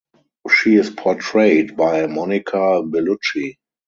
She is portrayed by Monica Bellucci.